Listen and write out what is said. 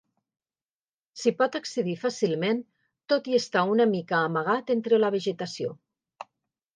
S'hi pot accedir fàcilment tot i estar una mica amagat entre la vegetació.